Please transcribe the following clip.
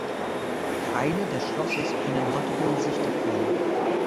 Teile des Schlosses können heute besichtigt werden.